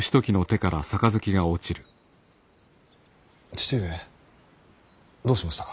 父上どうしましたか。